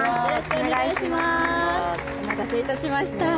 お待たせいたしました。